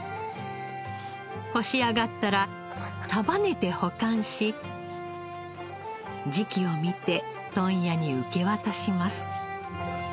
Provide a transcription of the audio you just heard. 干し上がったら束ねて保管し時期を見て問屋に受け渡します。